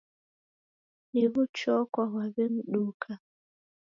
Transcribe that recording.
Ni w'uchokwa ghwaw'emduka.